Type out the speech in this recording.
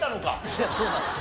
いやそうなんです。